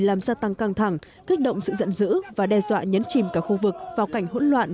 làm gia tăng căng thẳng kích động sự giận dữ và đe dọa nhấn chìm cả khu vực vào cảnh hỗn loạn